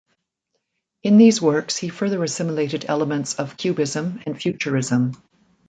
In these works he further assimilated elements of Cubism and Futurism.